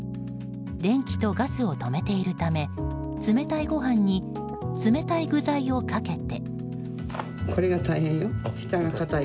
電気とガスを止めているため冷たいご飯に冷たい具材をかけて。